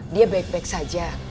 dia baik baik saja